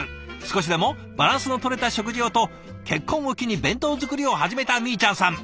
少しでもバランスのとれた食事をと結婚を機に弁当作りを始めたみーちゃんさん。